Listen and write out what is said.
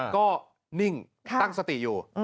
ก็นิ่งตั้งสติอยู่